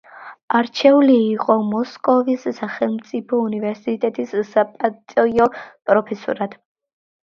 არჩეული იყო მოსკოვის სახელმწიფო უნივერსიტეტის საპატიო პროფესორად.